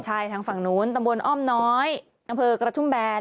ใช่ทางฝั่งนู้นตำบลอ้อมน้อยอำเภอกระทุ่มแบน